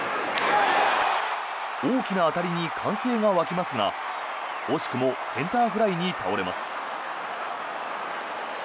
大きな当たりに歓声が沸きますが惜しくもセンターフライに倒れます。